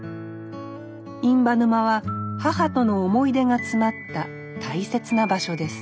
印旛沼は母との思い出が詰まった大切な場所です